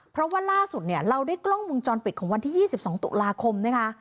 เพราะว่าล่าสุดเนี่ยเราได้กล้องมุมจรปิดของวันที่๒๒ตุลาคมนะคะ